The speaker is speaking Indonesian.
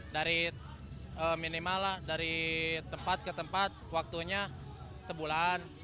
dari minimal lah dari tempat ke tempat waktunya sebulan